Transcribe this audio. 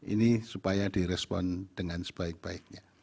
ini supaya direspon dengan sebaik baiknya